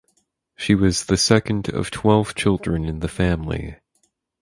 She was the second of twelve children in the family.